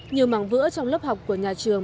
nhiều mảng vỡ trong lớp học của nhà trường